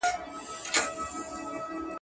زړه قلا.